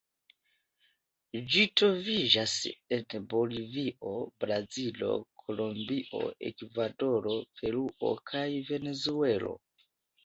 Ĝi troviĝas en Bolivio, Brazilo, Kolombio, Ekvadoro, Peruo kaj Venezuelo.